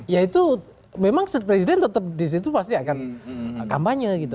ya itu memang presiden tetap disitu pasti akan kampanye gitu